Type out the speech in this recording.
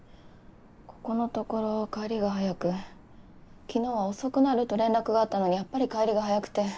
ここのところ帰りが早く昨日は遅くなると連絡があったのにやっぱり帰りが早くて。